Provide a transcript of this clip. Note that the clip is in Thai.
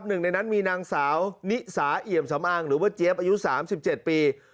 หนึ่งในนั้นมีนางสาวนิสาเอี่ยมสำอางหรือว่าเจี๊ยบอายุ๓๗ปี